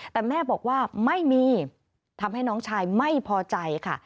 แต่แม่บอกว่าไม่มีทำให้น้องชายไม่พอใจค่ะ